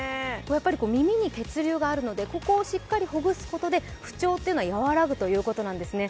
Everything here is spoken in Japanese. やっぱり耳に血流があるのでここをしっかりほぐすことで不調というのは和らぐということなんですね。